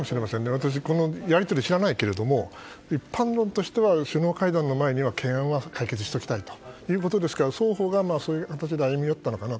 私、このやり取りは知らないけど一般論としては首脳会談の前に懸念は解決しておきたいということですから双方がそういう形で歩み寄ったのかなと。